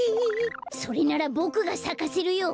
それならボクがさかせるよ。